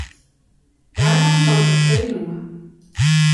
Daarvan zal ik er twee noemen.